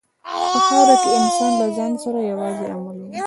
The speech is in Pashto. په خاوره کې انسان له ځان سره یوازې عمل وړي.